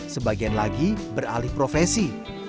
sebagian lagi beralih profesi